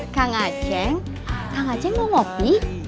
kang aceng kang aceh mau ngopi